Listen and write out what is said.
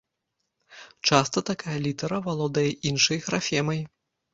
Часта такая літара валодае іншай графемай.